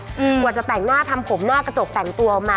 กว่าจะแต่งหน้าทำผมหน้ากระจกแต่งตัวออกมา